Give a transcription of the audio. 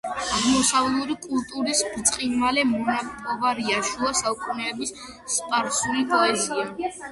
აღმოსავლური კულტურის ბრწყინვალე მონაპოვარია შუა საუკუნეების სპარსული პოეზია.